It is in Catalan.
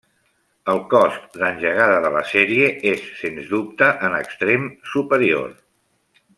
El cost d'engegada de la sèrie és, sens dubte en extrem superior.